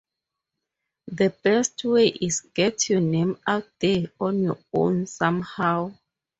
The best way is get your name out there on your own somehow.